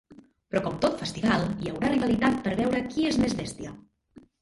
Però com tot festival, hi haurà rivalitat per veure qui és més bèstia.